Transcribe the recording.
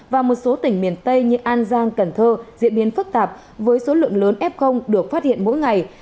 và một số tỉnh miền tây như an giang cần thơ diễn biến phức tạp với số lượng lớn f được phát hiện mỗi ngày